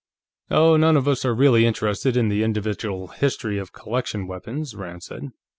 "Oh, none of us are really interested in the individual history of collection weapons," Rand said.